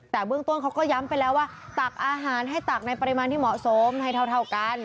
แต่เบื้องต้นเขาก็ย้ำไปแล้วว่าตักอาหารให้ตักในปริมาณที่เหมาะสมให้เท่ากัน